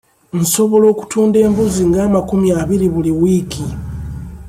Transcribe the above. Nsobola okutunda embuzi nga amakumi abiri buli wiiki.